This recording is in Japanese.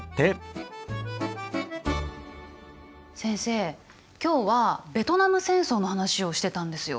先生今日はベトナム戦争の話をしてたんですよ。